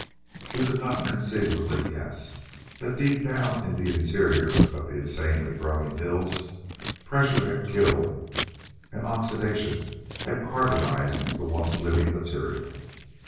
He could not conceivably guess that deep down in the interior of the insanely growing hills, pressure had killed and oxidation had carbonized the once living material.